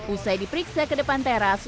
usai diperiksa ke depan teras